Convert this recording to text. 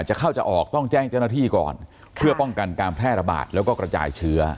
จะเข้าจะออกต้องแจ้งเจ้าหน้าที่ก่อนเพื่อป้องกันการแพร่ระบาดแล้วก็กระจายเชื้อ